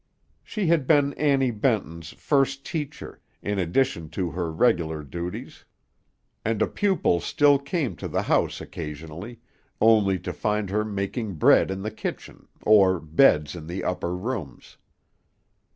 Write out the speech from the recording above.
She had been Annie Benton's first teacher, in addition to her regular duties, and a pupil still came to the house occasionally, only to find her making bread in the kitchen, or beds in the upper rooms.